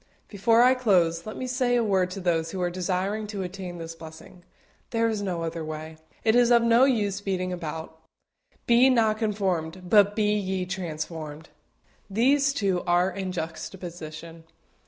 Before I close, let me say a word to help those who are desiring to attain this blessing. There is no other way. It is of no use beating about. BE NOT CONFORMED, BUT BE YE TRANSFORMED. These two are in juxtaposition.